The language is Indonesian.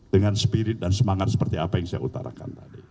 dengan spirit dan semangat seperti apa yang saya utarakan tadi